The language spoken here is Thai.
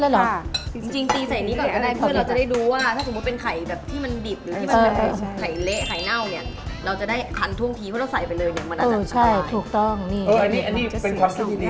อันนี้เป็นคำจัดคีปนี้มั้ย